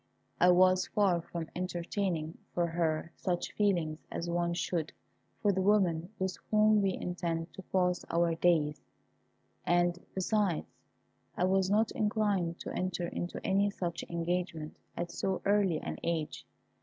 I was far from entertaining for her such feelings as one should for the woman with whom we intend to pass our days; and besides, I was not inclined to enter into any such engagement at so early an age.